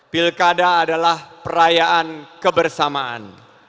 pilkada adalah perayaan kebersamaan